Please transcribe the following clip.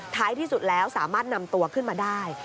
ท้ายที่สุดแล้วสามารถนำตัวขึ้นมาได้